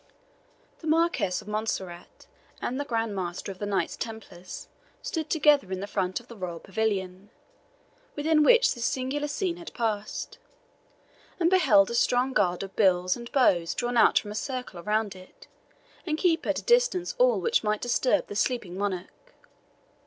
The Marquis of Montserrat and the Grand Master of the Knights Templars stood together in the front of the royal pavilion, within which this singular scene had passed, and beheld a strong guard of bills and bows drawn out to form a circle around it, and keep at distance all which might disturb the sleeping monarch.